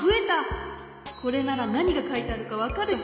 これならなにがかいてあるかわかるよ。